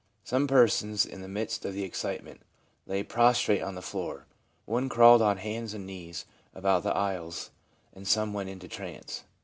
Some persons, in the midst of the excitement, lay prostrate on the floor, one crawled on hands and knees about the aisles, and some went into trance.